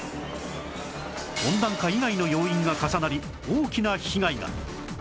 温暖化以外の要因が重なり大きな被害が